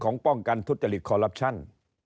ป้องกันทุจริตคอลลับชั่น